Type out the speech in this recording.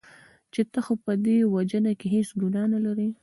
چې ته خو په دې وژنه کې هېڅ ګناه نه لرې .